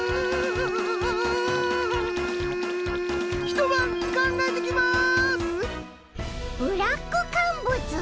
一晩考えてきます！